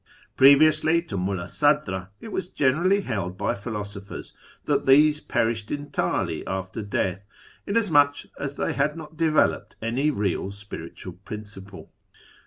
Previously to Mulla Sadra it was generally held by philosophers that these perished entirely after death, inasmuch as they had not developed any really spiritual principle.